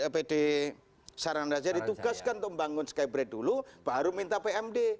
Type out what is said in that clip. pd saran raja ditugaskan untuk membangun skybrade dulu baru minta pmd